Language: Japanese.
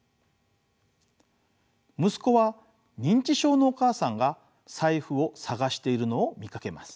息子は認知症のお母さんが財布を探しているのを見かけます。